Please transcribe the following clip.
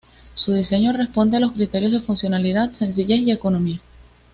Su diseño responde a los criterios de funcionalidad, sencillez y economía.